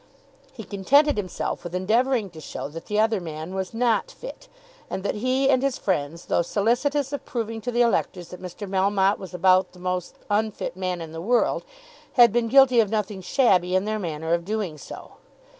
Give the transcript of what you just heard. He contented himself with endeavouring to show that the other man was not fit; and that he and his friends, though solicitous of proving to the electors that Mr. Melmotte was about the most unfit man in the world, had been guilty of nothing shabby in their manner of doing so.